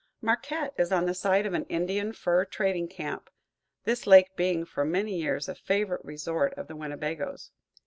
Marquette is on the site of an Indian fur trading camp, this lake being for many years a favorite resort of the Winnebagoes.